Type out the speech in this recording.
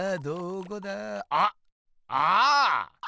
あっああ！